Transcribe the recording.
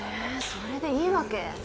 それでいいわけ？